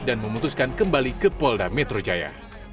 dan memutuskan kembali ke polda metro jaya